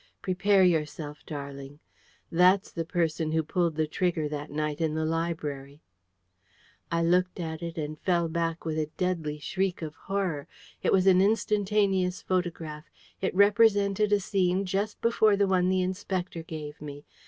"Prepare yourself, darling. That's the person who pulled the trigger that night in the library!" I looked at it and fell back with a deadly shriek of horror. It was an instantaneous photograph. It represented a scene just before the one the Inspector gave me.